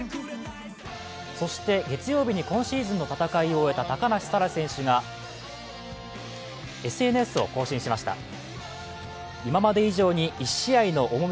月曜日に今シーズンの戦いを終えた高梨沙羅選手がＳＮＳを更新しました。